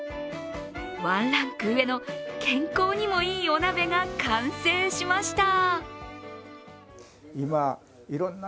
ワンランク上の、健康にもいいお鍋が完成しました。